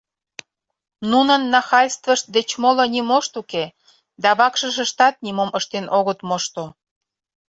Нунын нахальствышт деч моло нимошт уке, да вакшышыштат нимом ыштен огыт мошто.